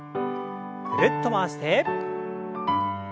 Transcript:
ぐるっと回して。